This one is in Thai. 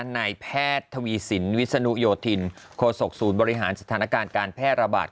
นายแพทย์ทวีสินวิศนุโยธินโคศกศูนย์บริหารสถานการณ์การแพร่ระบาด